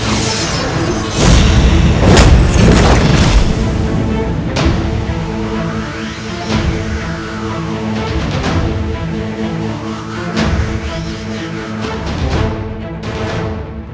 kami sudah menangkap mereka